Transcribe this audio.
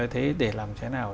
thế để làm thế nào